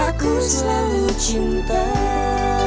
aku selalu cinta kamu